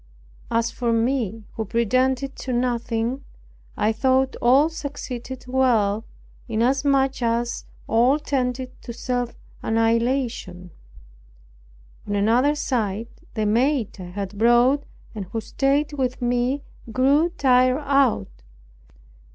As for me who pretended to nothing, I thought all succeeded well, inasmuch as all tended to self annihilation. On another side, the maid I had brought, and who stayed with me, grew tired out.